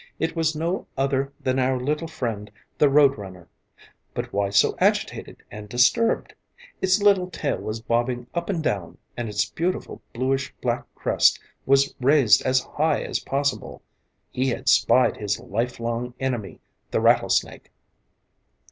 It was no other than our little friend the road runner. But why so agitated and disturbed? Its little tail was bobbing up and down, and its beautiful bluish black crest was raised as high as possible. He had spied his lifelong enemy, the rattlesnake.